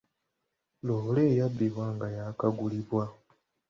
Loole yabbibwa nga yaakagulibwa.